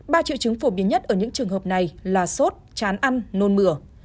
ba triệu chứng phổ biến nhất ở những trường hợp này là sốt chán ăn nôn mửa